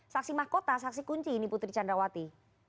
saksi mahkota saksi kunci ini putri candrawati